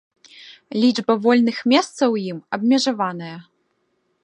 Лічба вольных месцаў у ім абмежаваная.